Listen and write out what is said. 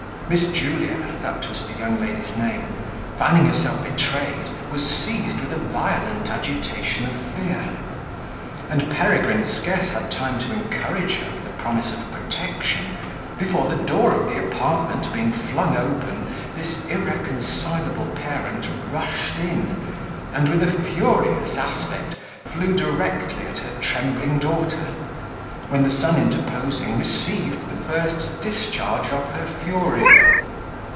Miss Julia (that was the young lady's name), finding herself betrayed, was seized with a violent agitation of fear; and Peregrine scarce had time to encourage her with a promise of protection, before the door of the apartment being flung open, this irreconcilable parent rushed in, and, with a furious aspect, flew directly at her trembling daughter, when, the son interposing, received the first discharge of her fury.